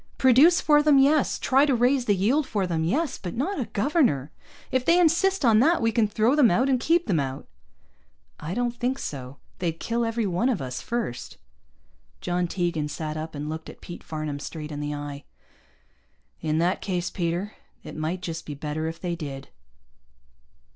Produce for them, yes. Try to raise the yield for them, yes. But not a governor. If they insist on that we can throw them out, and keep them out." "I don't think so. They'd kill every one of us first." John Tegan sat up, and looked Pete Farnam straight in the eye. "In that case, Peter, it might just be better if they did."